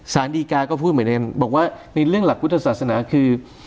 สารดีกาก็พูดเหมือนกันบอกว่าในเรื่องหลักพุทธศาสนาคือ